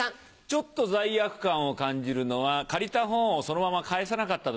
ちょっと罪悪感を感じるのは借りた本をそのまま返さなかった時。